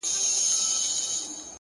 مثبت فکر د ناامیدۍ ځای تنګوي.